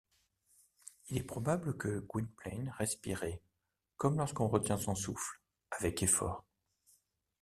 Il est probable que Gwynplaine respirait, comme lorsqu’on retient son souffle, avec effort.